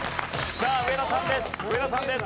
さあ上田さんです